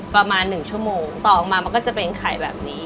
ประมาณ๑ชั่วโมงต่อออกมามันก็จะเป็นไข่แบบนี้